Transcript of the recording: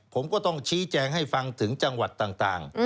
ผมก็ต้องชี้แจงให้ฟังถึงจังหวัดต่าง